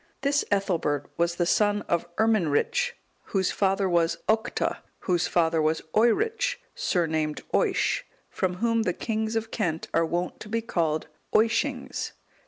This Ethelbert was the son of Irminric, whose father was Octa, whose father was Oeric, surnamed Oisc, from whom the kings of Kent are wont to be called Oiscings.